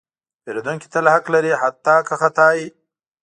پیرودونکی تل حق لري، حتی که خطا وي.